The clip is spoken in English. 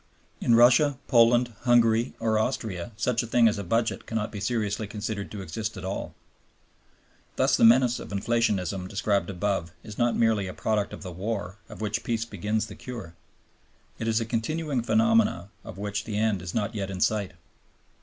In Russia, Poland, Hungary, or Austria such a thing as a budget cannot be seriously considered to exist at all. Thus the menace of inflationism described above is not merely a product of the war, of which peace begins the cure. It is a continuing phenomenon of which the end is not yet in sight.